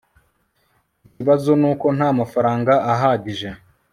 ikibazo nuko ntamafaranga ahagije